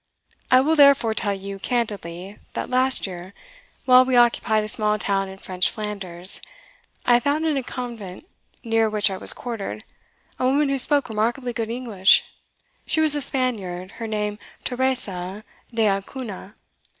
I will therefore tell you candidly, that last year, while we occupied a small town in French Flanders, I found in a convent, near which I was quartered, a woman who spoke remarkably good English She was a Spaniard her name Teresa D'Acunha.